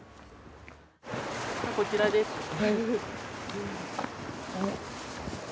こちらです。